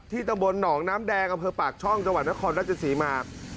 ตำบลหนองน้ำแดงอำเภอปากช่องจังหวัดนครราชศรีมา